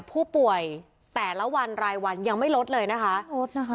ผู้ป่วยแต่ละวันรายวันยังไม่ลดเลยนะคะลดนะคะ